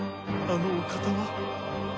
あのお方は。